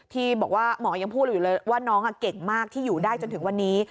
ที่บอกว่าหมอยังพูดอยู่เลยว่าน้องเก่งมากที่อยู่ได้จนถึงวันนี้